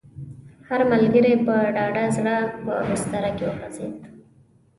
هر ملګری په ډاډه زړه په بستره کې وغځېد.